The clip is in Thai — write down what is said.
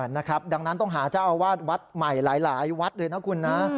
นะครับดังนั้นต้องหาเจ้าอาวาสวัดใหม่หลายวัดเลยนะคุณนะ